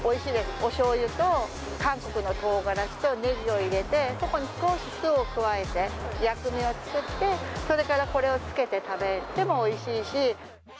お醤油と韓国の唐辛子とネギを入れて、そこに酢を少し加えて薬味を作って、それから、これをつけて食べてもおいしいし。